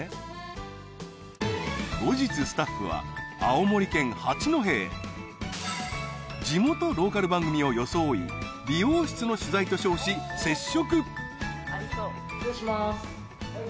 後日スタッフは青森県八戸へ地元ローカル番組を装い美容室の取材と称し接触